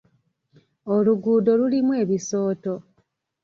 Oluguudo lulimu ebisooto.